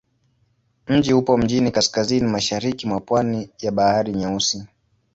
Mji upo mjini kaskazini-mashariki mwa pwani ya Bahari Nyeusi.